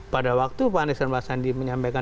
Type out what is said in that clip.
pada waktu pak andesan basandi menyampaikan